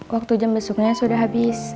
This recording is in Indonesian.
waktu jam besuknya sudah habis